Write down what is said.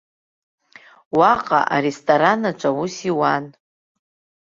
Уаҟа, аресторанаҿ аус иуан.